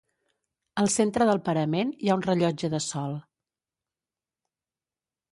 Al centre del parament hi ha un rellotge de sol.